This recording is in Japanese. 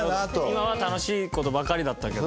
今は楽しい事ばかりだったけど。